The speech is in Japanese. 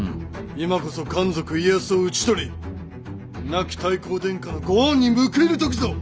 今こそ奸賊家康を討ち取り亡き太閤殿下のご恩に報いる時ぞ！